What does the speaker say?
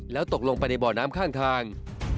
แล้วตกลงไปในบ่อน้ำข้างทาง